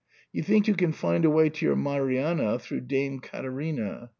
You think you can find a way to your Marianna through Dame Caterina.